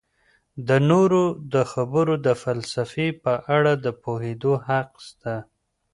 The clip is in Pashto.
د نورو د خبرو د فلسفې په اړه د پوهیدو حق سته.